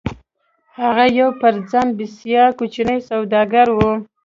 هغه يو پر ځان بسيا کوچنی سوداګر و.